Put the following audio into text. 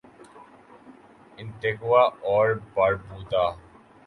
Antigua اور باربودا